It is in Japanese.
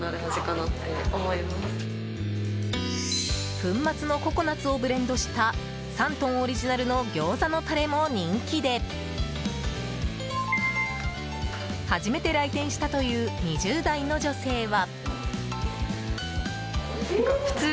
粉末のココナツをブレンドした山東オリジナルの餃子のタレも人気で初めて来店したという２０代の女性は。